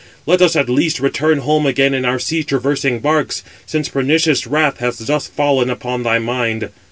Let us at least return home again in our sea traversing barks, since pernicious wrath has thus fallen upon thy mind.